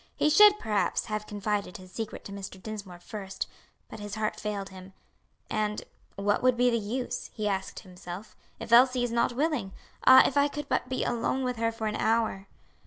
He should perhaps, have confided his secret to Mr. Dinsmore first, but his heart failed him; and "what would be the use?" he asked himself, "if Elsie is not willing? Ah, if I could but be alone with her for an hour!"